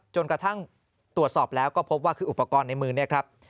จนกระทั่งตรวจสอบแล้วก็พบว่าคืออุปกรณ์ในมือเนี่ยครับ